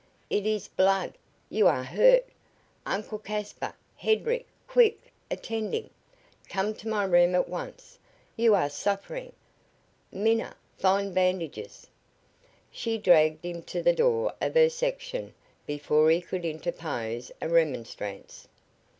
"It is blood! You are hurt! Uncle Caspar, Hedrick quick! Attend him! Come to my room at once. You are suffering. Minna, find bandages!" She dragged him to the door of her section before he could interpose a remonstrance.